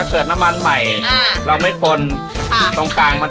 มันจะทำให้ปลาดุกฟูเป็นแทน